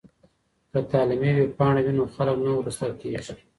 که تعلیمي ویبپاڼه وي نو خلګ نه وروسته کیږي.